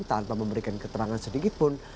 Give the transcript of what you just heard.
tanpa memberikan keterangan sedikitpun